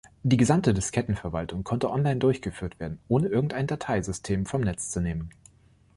Die gesamte Diskettenverwaltung konnte online durchgeführt werden, ohne irgendein Dateisystem vom Netz zu nehmen.